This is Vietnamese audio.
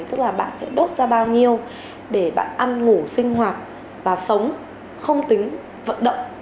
tức là bạn sẽ đốt ra bao nhiêu để bạn ăn ngủ sinh hoạt và sống không tính vận động